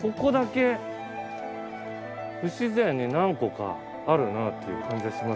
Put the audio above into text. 不自然に何個かあるなっていう感じはします。